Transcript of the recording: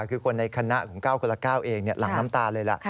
คือคนในคณะของ๙คนละ๙เองหลังน้ำตาเลยล่ะ